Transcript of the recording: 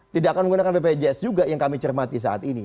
tidak akan menggunakan bpjs juga yang kami cermati saat ini